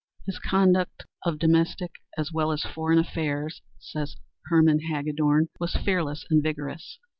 "His conduct of domestic as well as foreign affairs," says Herman Hagedorn, "was fearless and vigorous.